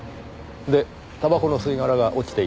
でタバコの吸い殻が落ちていたのは？